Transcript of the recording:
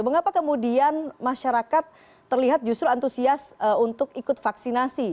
mengapa kemudian masyarakat terlihat justru antusias untuk ikut vaksinasi